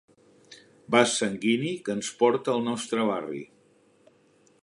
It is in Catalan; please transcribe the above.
Vas sanguini que ens porta al nostre barri.